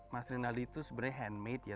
mas rinaldi itu sebenarnya handmade ya